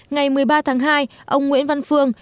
ngày một mươi ba tháng hai ông nguyễn văn phương